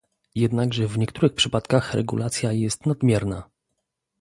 Jednakże w niektórych przypadkach regulacja jest nadmierna